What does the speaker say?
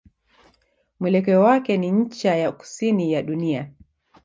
Mwelekeo wake ni ncha ya kusini ya dunia.